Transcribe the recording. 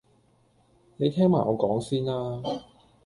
你聽埋我講先啦